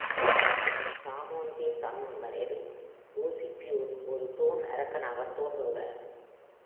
சாமோன் the சம்மனரில், Lucifuge ஒரு தூண் அரக்கனாகத் தோன்றுகிறார்.